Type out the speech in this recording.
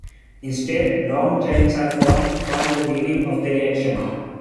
Instead long chains are formed from the beginning of the reaction.